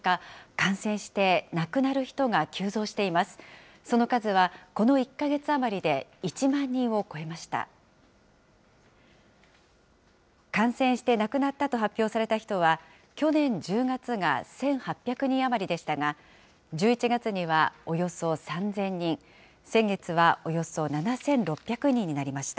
感染して亡くなったと発表された人は、去年１０月が１８００人余りでしたが、１１月にはおよそ３０００人、先月はおよそ７６００人になりました。